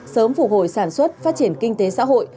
sớm phục hồi sản xuất phát triển kinh tế xã hội